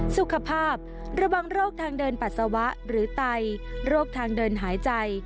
สุขภาพระวังโรคทางเดินปัสสาวะหรือไตโรคทางเดินหายใจ